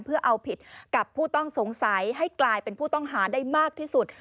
เพื่อเอาผิดกับผู้ต้องสงสัยให้กลายเป็นผู้ต้องหาได้มากที่สุด